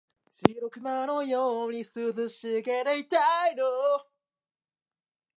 緊急逮捕